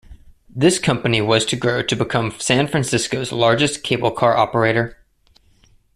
This company was to grow to become San Francisco's largest cable car operator.